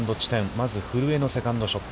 まず古江のセカンドショット。